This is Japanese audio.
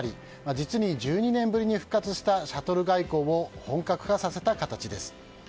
実に１２年ぶりに復活したシャトル外交を本格化させた形です。